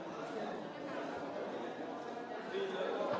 ขอบคุณครับ